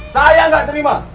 saya nggak terima